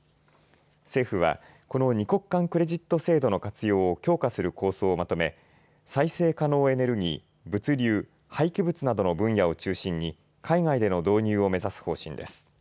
政府はこの二国間クレジット制度の活用を強化する構想をまとめ再生可能エネルギー、物流、廃棄物などの分野を中心に海外での導入を目指す方針です。